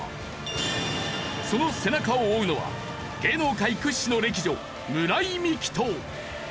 その背中を追うのは芸能界屈指の歴女村井美樹と。